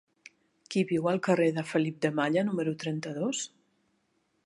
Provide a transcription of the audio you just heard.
Qui viu al carrer de Felip de Malla número trenta-dos?